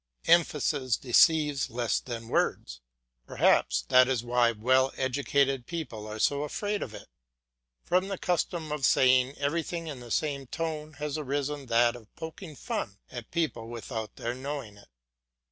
Emphasis deceives less than words; perhaps that is why well educated people are so afraid of it. From the custom of saying everything in the same tone has arisen that of poking fun at people without their knowing it.